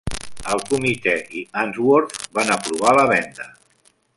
El comitè i Unsworth van aprovar la venda.